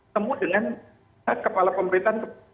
temu dengan kepala pemerintahan